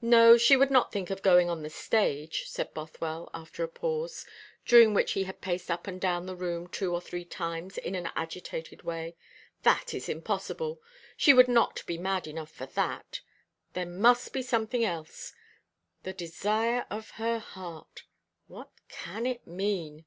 "No, she would not think of going on the stage," said Bothwell, after a pause, during which he had paced up and down the room two or three times in an agitated way; "that is impossible. She would not be mad enough for that. There must be something else. The desire of her heart. What can it mean?"